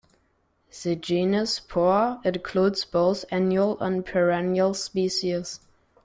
The genus "Poa" includes both annual and perennial species.